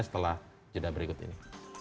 setelah judah berikut ini